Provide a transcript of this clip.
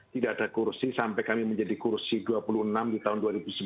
tidak ada kursi sampai kami menjadi kursi dua puluh enam di tahun dua ribu sembilan belas